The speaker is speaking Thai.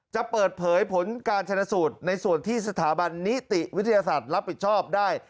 จะเปิดเผยผลการชนะสูตรในส่วนที่สถาบันนิติวิทยาศาสตร์รับผิดชอบได้